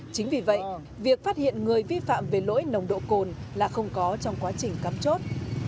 chính vì vậy việc phát hiện người vi phạm về lỗi nồng độ cồn là không có trong quá trình cắm chốt